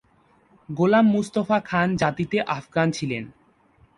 গোলাম মুস্তফা খান জাতিতে আফগান ছিলেন।